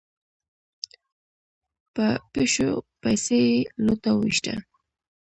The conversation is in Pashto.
په پيشو پسې يې لوټه وويشته.